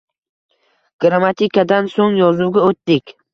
Grammatikadan so`ng yozuvga o`tdik